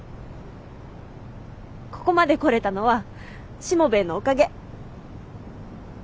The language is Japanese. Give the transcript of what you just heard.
ここまで来れたのはしもべえのおかげ。